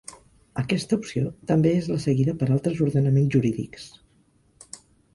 Aquesta opció també és la seguida per altres ordenaments jurídics.